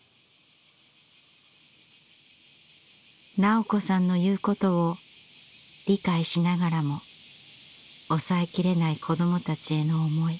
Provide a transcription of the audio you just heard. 斉子さんの言うことを理解しながらも抑えきれない子どもたちへの思い。